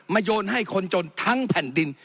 มายนให้คนจนดนทางแผ่นดิน